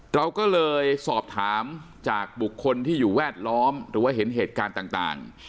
เราก็เลยสอบถามจากบุคคลที่อยู่แวดล้อมหรือว่าเห็นเหตุการณ์ต่าง